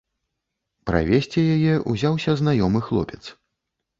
Правесці яе ўзяўся знаёмы хлопец.